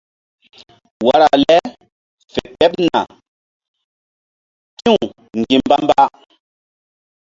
Wara le fe ɓeɓna ti̧w ŋgi̧mba-mba.